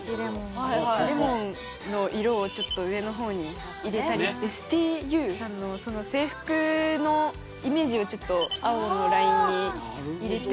レモンの色をちょっと上の方に入れたりのイメージをちょっと青のラインに入れて。